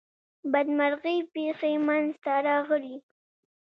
بدمرغي پیښی منځته راغلې.